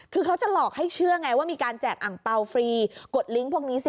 คือเขาจะหลอกให้เชื่อไงว่ามีการแจกอังเปล่าฟรีกดลิงก์พวกนี้สิ